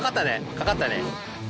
かかったね。